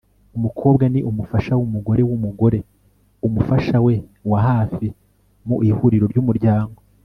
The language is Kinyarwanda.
umukobwa ni umufasha w'umugore w'umugore, umufasha we wa hafi mu ihuriro ry'umuryango